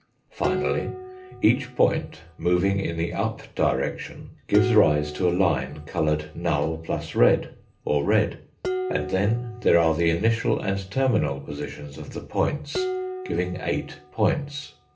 Finally, each point moving in the up direction gives rise to a line coloured null + red, or red, and then there are the initial and terminal positions of the points giving eight points.